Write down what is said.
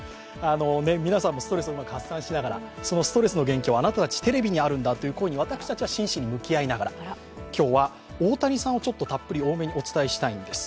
皆さんもストレスをうまく発散しながらそのストレスの元気はテレビにあるんだということに私たちは真摯に向き合いながら、今日は、大谷さんをたっぷり多めにお伝えしたいんです。